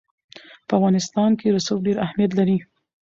په افغانستان کې رسوب ډېر اهمیت لري.